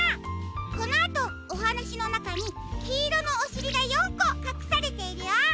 このあとおはなしのなかにきいろのおしりが４こかくされているよ。